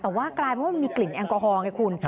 แต่ว่ากลายเป็นว่ามันมีกลิ่นแอลกอฮอลไงคุณ